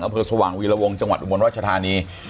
อำเภอสว่างวีรวงจังหวัดอุบลรัชธานี